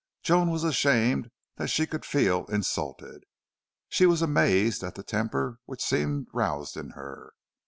Joan was ashamed that she could feel insulted. She was amazed at the temper which seemed roused in her.